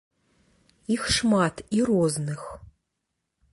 Іх шмат і розных.